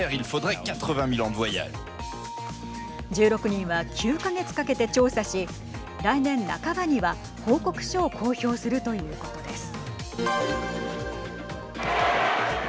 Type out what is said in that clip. １６人は、９か月かけて調査し来年半ばには、報告書を公表するということです。